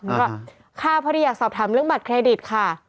ก็ค่ะพอดีอยากสอบถามเรื่องบัตรเครดิตค่ะ